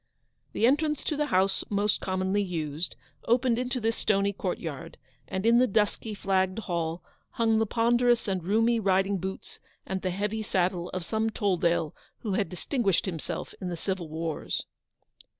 The entrance to the house most commonly used, opened into this stony courtyard ; and in the dusky, flagged hall, hung the ponderous and roomy riding boots and the heavy saddle of some Tolldale who had distinguished himself in the civil wars.